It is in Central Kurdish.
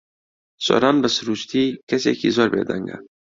سۆران بە سروشتی کەسێکی زۆر بێدەنگە.